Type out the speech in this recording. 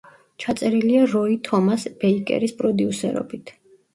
ჩაწერილია როი თომას ბეიკერის პროდიუსერობით.